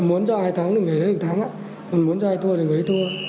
muốn cho ai thắng thì người ấy thắng muốn cho ai thua thì người ấy thua